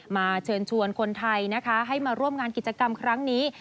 เชิญชวนคนไทยนะคะให้มาร่วมงานกิจกรรมครั้งนี้